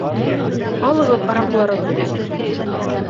Алығыҙ араҡыларығыҙҙы!